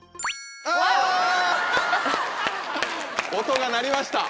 音が鳴りました。